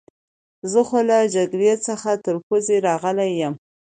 زه خو له جګړې څخه تر پوزې راغلی یم.